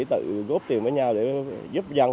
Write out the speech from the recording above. tự góp tiền với nhau để giúp dân